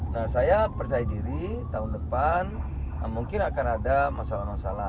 nah saya percaya diri tahun depan mungkin akan ada masalah masalah